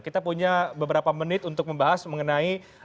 kita punya beberapa menit untuk membahas mengenai